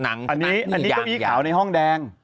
อันนี้เก้าอี้ขาวในห้องแดง